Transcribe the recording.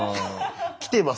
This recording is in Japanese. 来てます